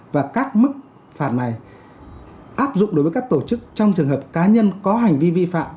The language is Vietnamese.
và các mức phạt này áp dụng đối với các tổ chức trong trường hợp cá nhân có hành vi vi phạm